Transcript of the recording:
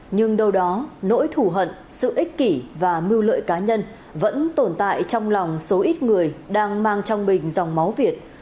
nhưng đâu đó nỗi thủ hận sự ích kỷ và mưu lợi cá nhân vẫn tồn tại trong lòng số ít người đang mang trong mình dòng máu việt